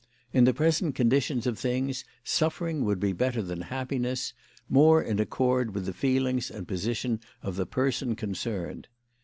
In the present condition of things suffering would be better than happiness ; more in accord with the feelings and position of the person concerned.